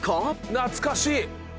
「懐かしい！」